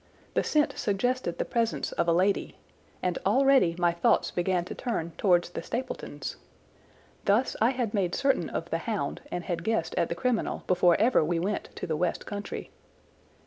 The scent suggested the presence of a lady, and already my thoughts began to turn towards the Stapletons. Thus I had made certain of the hound, and had guessed at the criminal before ever we went to the west country.